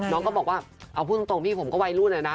น้องก็บอกว่าเอาพูดตรงพี่ผมก็วัยรุ่นเลยนะ